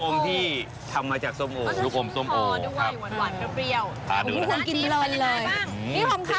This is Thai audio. นี่ของข้าวต่อด้วยน้ำดูแล